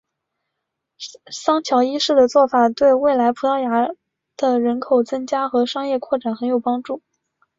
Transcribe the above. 桑乔一世的做法对未来葡萄牙的人口增加和商业扩展很有帮助。